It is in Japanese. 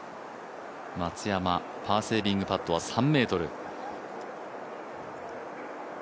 松山、パーセービングパットは３ｍ。